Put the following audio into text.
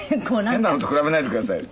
変なのと比べないでくださいよ。